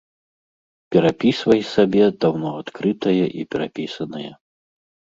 Перапісвай сабе даўно адкрытае і перапісанае!